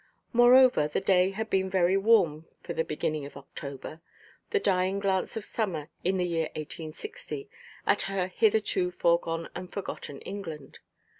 Moreover, the day had been very warm for the beginning of October—the dying glance of Summer, in the year 1860, at her hitherto foregone and forgotten England.